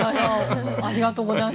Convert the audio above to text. ありがとうございます。